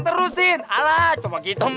terusin alah coba gitu